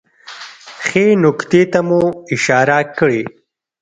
ښې نکتې ته مو اشاره کړې